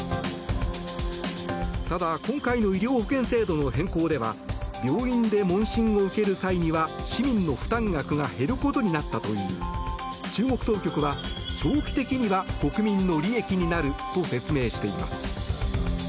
ただ、今回の医療保険制度の変更では病院で問診を受ける際には市民の負担額が減ることになったといい中国当局は長期的には国民の利益になると説明しています。